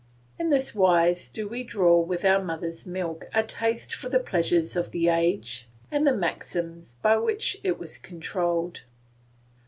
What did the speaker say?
In this wise do we draw with our mother's milk a taste for the pleasures of the age and the maxims by which it is controlled.